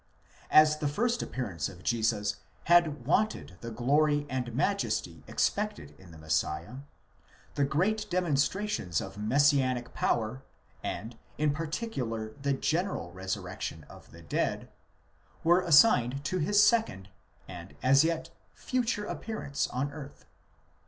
As the first appearance of Jesus had wanted the glory and majesty expected in the Messiah, the great demonstrations of messianic power, and in particular the general resurrection of the dead, were assigned to his second, and as yet future appearance on earth.